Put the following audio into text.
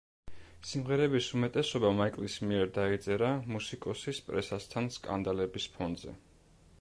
სიმღერების უმეტესობა მაიკლის მიერ დაიწერა, მუსიკოსის პრესასთან სკანდალების ფონზე.